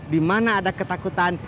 di mana ada ketakutan